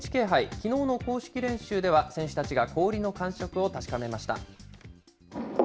きのうの公式練習では、選手たちが氷の感触を確かめました。